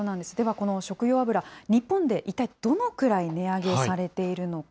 この食用油、日本でいったいどのくらい値上げされているのか。